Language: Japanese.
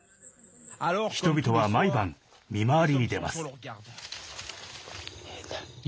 人々は毎晩、見回りに出ます。